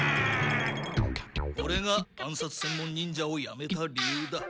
これが暗殺専門忍者をやめた理由だ。